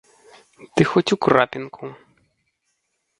Ды хоць у крапінку!